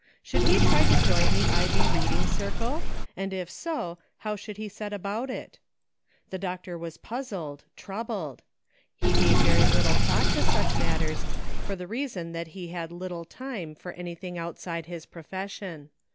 Should he try to join the Ivy Reading Circle .• and if so, how should he set about it ? The doctor was puzzled, troubled ; he gave very little thought to such mat ters, for the reason that he had little time for any thing outside his profession.